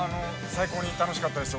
◆最高に楽しかったです。